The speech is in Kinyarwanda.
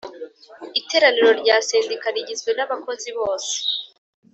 Iteraniro rya Sendika rigizwe n abakozi bose